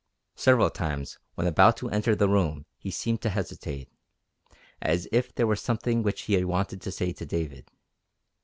Several times when about to enter the room he seemed to hesitate, as if there were something which he wanted to say to David.